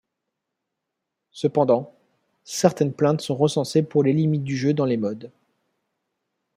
Cependant, certaines plaintes sont recensées pour les limites du jeu dans les modes.